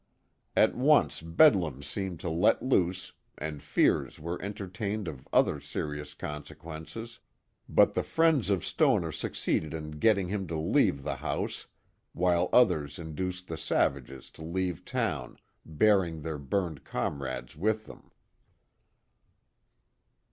At once bedlam seemed let loose and fears were entertained of other serious consequences, but the friends of Stoner succeeded m getting him to leave the house, while others induced the savages to leave town bearing their burned comrades with them.